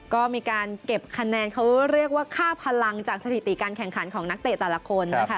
ก็มีการเก็บคะแนนเขาเรียกว่าค่าพลังจากสถิติการแข่งขันของนักเตะแต่ละคนนะคะ